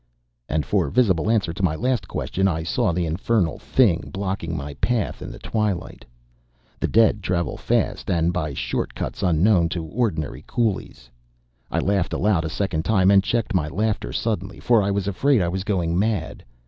And for visible answer to my last question I saw the infernal Thing blocking my path in the twilight. The dead travel fast, and by short cuts unknown to ordinary coolies. I laughed aloud a second time and checked my laughter suddenly, for I was afraid I was going mad.